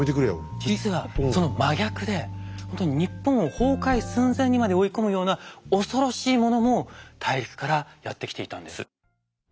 実はその真逆で日本を崩壊寸前にまで追い込むような恐ろしいものも大陸からやって来ていたんです。